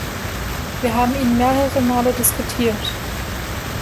Wir haben ihn mehrere Male diskutiert.